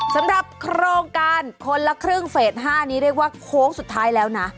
สำหรับโครงการคนละครึ่งเฟส๕นี้เรียกว่าโค้งสุดท้ายแล้วนะ